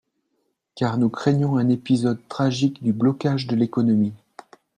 Car nous craignons un épisode tragique du blocage de l’économie.